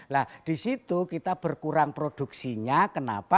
nah di situ kita berkurang produksinya kenapa